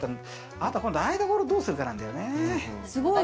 あと台所をどうするかなんだよね。